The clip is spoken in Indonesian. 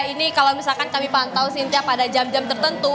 ini kalau misalkan kami pantau sintia pada jam jam tertentu